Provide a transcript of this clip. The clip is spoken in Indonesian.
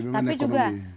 tapi memang ekonomi